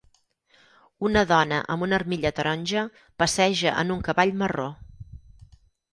Una dona amb una armilla taronja passeja en un cavall marró.